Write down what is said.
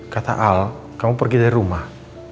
kata al kamu pergi dari rumah